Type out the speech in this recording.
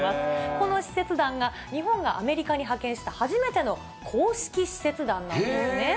この使節団が、日本がアメリカに派遣した初めての公式使節団なんですね。